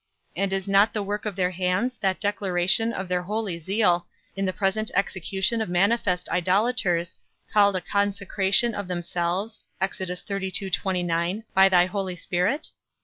And is not the work of their hands that declaration of their holy zeal, in the present execution of manifest idolators, called a consecration of themselves, by thy Holy Spirit?